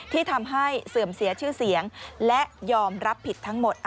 ที่ทำให้เสื่อมเสียชื่อเสียงและยอมรับผิดทั้งหมด